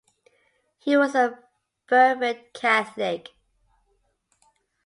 He was a fervent Catholic.